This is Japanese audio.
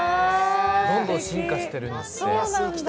どんどん進化しているんですって。